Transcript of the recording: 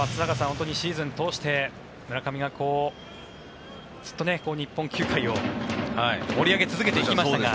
本当にシーズン通して村上が、ずっと日本球界を盛り上げ続けてきましたが。